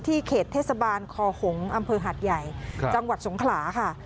เขตเทศบาลคอหงษ์อำเภอหาดใหญ่จังหวัดสงขลาค่ะ